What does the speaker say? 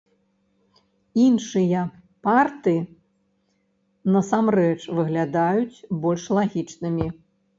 Іншыя парты насамрэч выглядаюць больш лагічнымі.